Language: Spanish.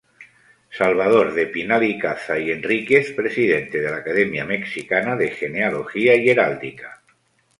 Salvador de Pinal-Icaza y Enríquez, Presidente de la Academia Mexicana de Genealogía y Heráldica.